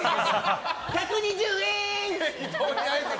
１２０円！